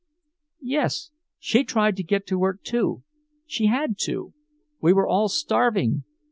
"Yes. She tried to get to work, too. She had to. We were all starving.